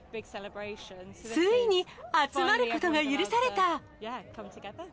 ついに集まることが許された。